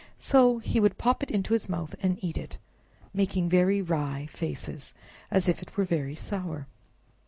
So he would pop it into his mouth and eat it, making wry faces if it was very sour.